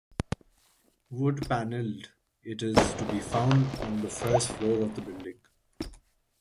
Wood panelled, it is to be found on the first floor of the building.